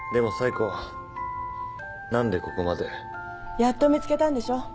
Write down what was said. やっと見つけたんでしょ？